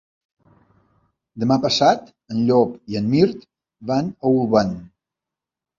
Demà passat en Llop i en Mirt van a Olvan.